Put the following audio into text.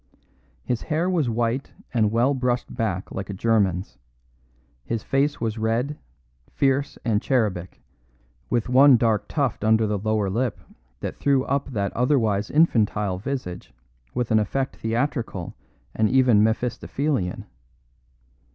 His hair was white and well brushed back like a German's; his face was red, fierce and cherubic, with one dark tuft under the lower lip that threw up that otherwise infantile visage with an effect theatrical and even Mephistophelean.